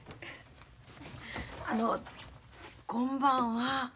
あのこんばんは。